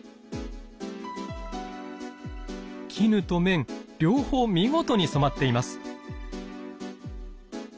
絹と綿両方見事に染まっています。